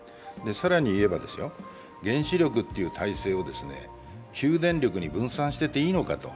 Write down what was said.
更に言えば、原子力という体制を９電力に分散していていいのかと。